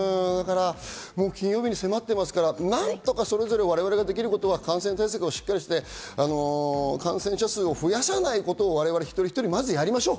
金曜日に迫ってますから、何とか、それぞれ我々ができることは、感染対策をしっかりして感染者数を増やさないことをやりましょう。